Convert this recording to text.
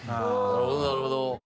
なるほどなるほど。